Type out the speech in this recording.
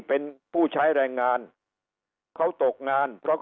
โดยเฉพาะคนที่เป็นผู้ใช้แรงงานเขาตกงานเพราะเขาถูกเลือกจ้างไม่มีเงินจะดำรงต่อ